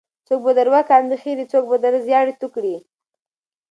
څوک به در وکاندې خیرې څوک بم در زیاړې توه کړي.